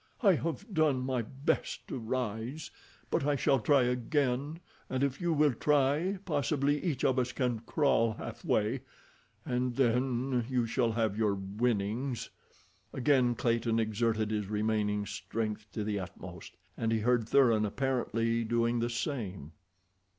"I have done my best to rise, but I shall try again, and if you will try possibly each of us can crawl halfway, and then you shall have your 'winnings.'" Again Clayton exerted his remaining strength to the utmost, and he heard Thuran apparently doing the same.